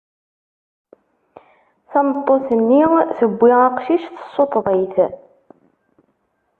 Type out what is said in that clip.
Tameṭṭut-nni tewwi aqcic, tessuṭṭeḍ-it.